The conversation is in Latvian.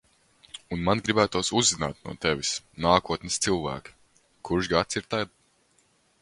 Un man gribētos uzzināt no tevis, nākotnes cilvēk, kurš gads ir tad.